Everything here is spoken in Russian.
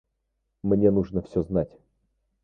Мне нужно всё знать.